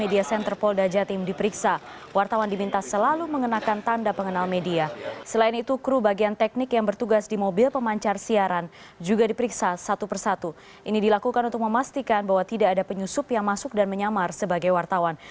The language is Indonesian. ini dilakukan untuk memastikan bahwa tidak ada penyusup yang masuk dan menyamar sebagai wartawan